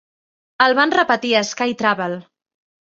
El van repetir a Sky Travel.